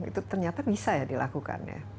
itu ternyata bisa ya dilakukan ya